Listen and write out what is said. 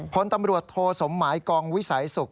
พลตำรวจโทสมหมายกองวิสัยศุกร์